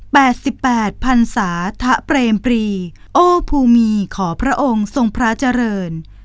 แปดสิบแปดพันศาทะเปรมปรีโอภูมีขอพระองค์ทรงพระเจริญ